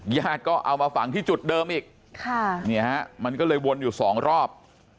ญาติก็เอามาฝังที่จุดเดิมอีกมันก็เลยวนอยู่สองรอบ